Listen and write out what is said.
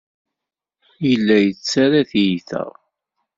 Yella yettarra tiyita.